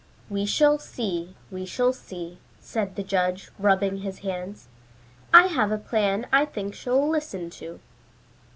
"We shall see. We shall see," said the judge, rubbing his hands. "I have a plan I think she'll listen to."